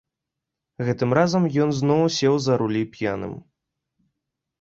Гэтым разам ён зноў сеў за рулі п'яным.